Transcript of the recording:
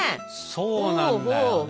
そうなんだよね。